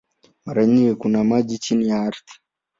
Mara nyingi kuna maji chini ya ardhi.